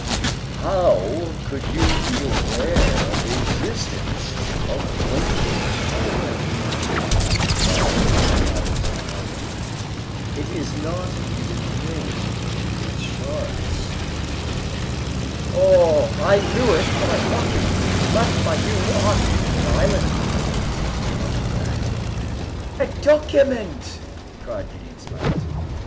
"How could you be aware of the existence of Lincoln Island?" inquired Cyrus Harding, "it is not even named in the charts." "I knew of it from a document left by you on Tabor Island," answered Robert Grant. "A document!" cried Gideon Spilett.